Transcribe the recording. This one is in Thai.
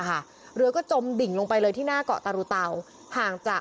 เหลือก็จมดิ่งลงไปเลยที่หน้าเกาะ